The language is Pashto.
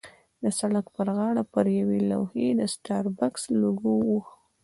د سړک پر غاړه پر یوې لوحې د سټاربکس لوګو وه.